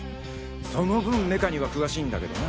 その分メカには詳しいんだけどな。